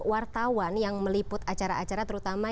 wartawan yang meliput acara acara terutama